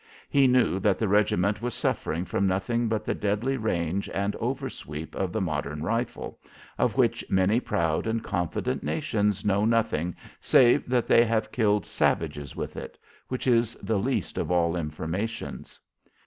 He knew that the regiment was suffering from nothing but the deadly range and oversweep of the modern rifle, of which many proud and confident nations know nothing save that they have killed savages with it, which is the least of all informations.